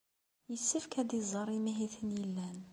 Yessefk ad iẓer imihiten yellan.